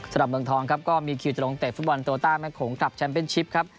สำหรับเมืองทองก็มีคิวจะลงเตะฟุตบอลตัวตาแม่ของคลับแชมป์เป็นชิปครับ